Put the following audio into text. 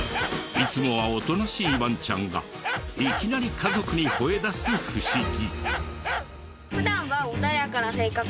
いつもはおとなしいワンちゃんがいきなり家族に吠えだす不思議。